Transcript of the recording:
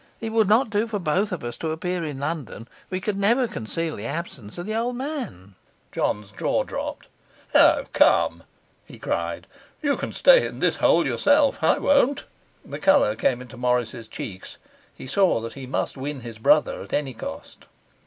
It would not do for both of us to appear in London; we could never conceal the absence of the old man.' John's jaw dropped. 'O, come!' he cried. 'You can stay in this hole yourself. I won't.' The colour came into Morris's cheeks. He saw that he must win his brother at any cost.